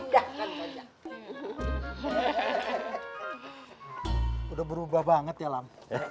udah berubah banget ya lam